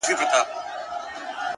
د خاموش کار اغېز ژور وي’